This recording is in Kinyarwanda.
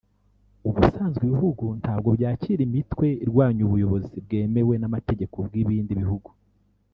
Ubusanzwe ibihugu ntabwo byakira imitwe irwanya ubuyobozi bwemewe n’amategeko bw’ibindi bihugu